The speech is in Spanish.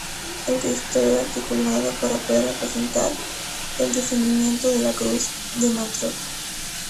El Cristo era articulado para poder representar el descendimiento de la Cruz de Ntro.